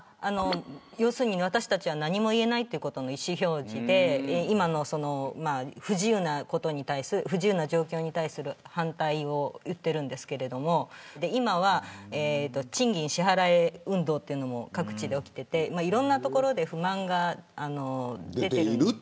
要するに私たちは何も言えないという意思表示で今の不自由な状況に対する反対を言っているんですけど今は賃金支払え運動というのも各地で起きていていろんな所で不満が出ている。